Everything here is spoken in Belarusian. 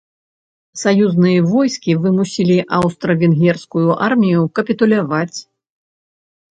Саюзныя войскі вымусілі аўстра-венгерскую армію капітуляваць.